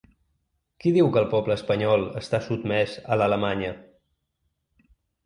Qui diu que el poble espanyol està sotmès a l’Alemanya?